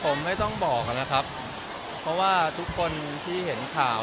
ผมไม่ต้องบอกนะครับเพราะว่าทุกคนที่เห็นข่าว